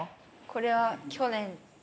これは去年の。